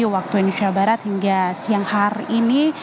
waktu indonesia barat hingga siang hari ini